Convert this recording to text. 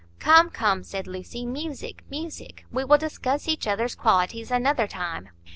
"Come, come," said Lucy; "music, music! We will discuss each other's qualities another time."